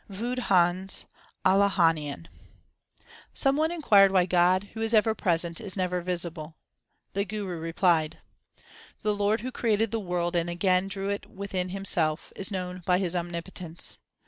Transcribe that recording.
WADHANS ALAHANIAN Some one inquired why God, who is ever present, is never visible. The Guru replied : The Lord who created the world and again drew it within Himself, is known by His omnipotence.